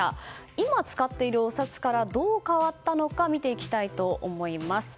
今使っているお札からどう変わったのか見ていきたいと思います。